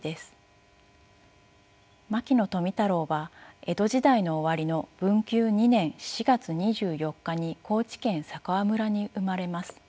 牧野富太郎は江戸時代の終わりの文久２年４月２４日に高知県佐川村に生まれます。